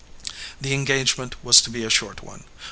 The engagement was to be a short one.